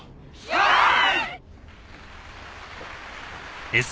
はい！